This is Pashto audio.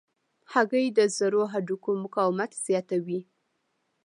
هګۍ د زړو هډوکو مقاومت زیاتوي.